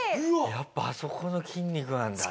やっぱあそこの筋肉なんだな。